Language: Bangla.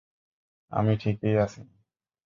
আমি ঠিকই আছি।